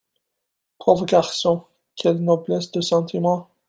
Pauvre garçon ! quelle noblesse de sentiments !